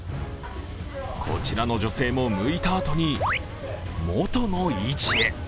こちらの女性もむいたあとに元の位置へ。